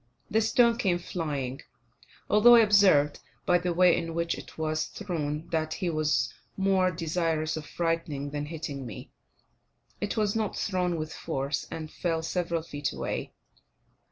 The stone came flying, although I observed, by the way in which it was thrown, that he was more desirous of frightening than hitting me; it was not thrown with force, and fell several feet away.